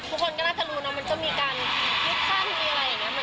ทุกคนก็น่าจะรู้เนอะมันก็มีการยุบท่านมีอะไรอย่างนี้